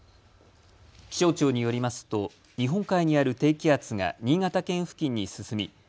気象庁によりますと日本海にある低気圧が新潟県付近に進み